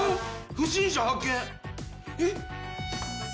「不審者発見」えっ？